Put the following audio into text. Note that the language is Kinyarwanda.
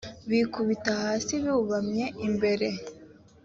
bikubita hasi i bubamye j imbere